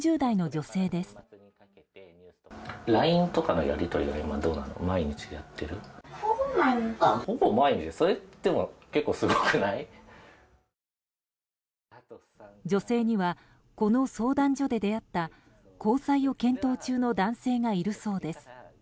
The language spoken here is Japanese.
女性にはこの相談所で出会った交際を検討中の男性がいるそうです。